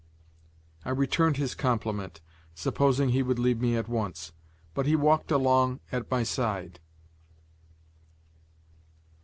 I returned his compliment, supposing he would leave me at once; but he walked along at my side.